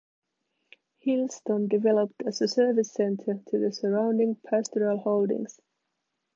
Hillston developed as a service centre to the surrounding pastoral holdings.